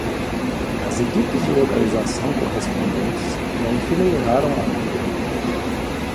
As equipes de localização correspondentes já enfileiraram a agulha.